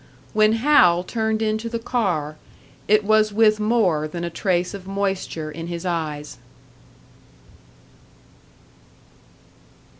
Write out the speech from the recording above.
When Hal turned into the car, it was with more than a trace of moisture in his eyes.